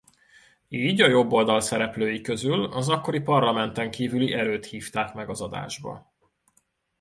Így a jobboldal szereplői közül az akkori parlamenten kívüli erőt hívták meg az adásba.